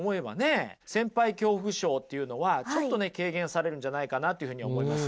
先輩恐怖症っていうのはちょっとね軽減されるんじゃないかなというふうに思います。